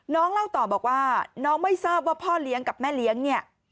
เล่าต่อบอกว่าน้องไม่ทราบว่าพ่อเลี้ยงกับแม่เลี้ยงเนี่ย